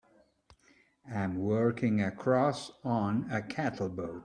I'm working across on a cattle boat.